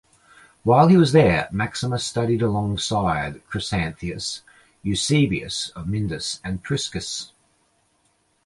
While he was there, Maximus studied alongside Chrysanthius, Eusebius of Myndus, and Priscus.